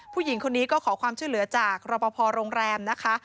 ผู้หญิงคนนี้ก็ขอความช่วยเหลือจากรปภโรงแรมนะคะ